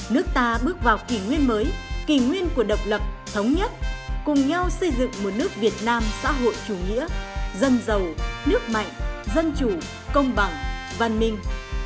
nước ta bước vào kỷ nguyên mới kỷ nguyên của độc lập thống nhất cùng nhau xây dựng một nước việt nam xã hội chủ nghĩa dân giàu nước mạnh dân chủ công bằng văn minh